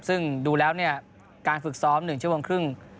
ซึ่งดูแล้วการฝึกซ้อม๑ชั่วโมงครึ่ง